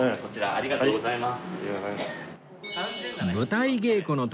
ありがとうございます。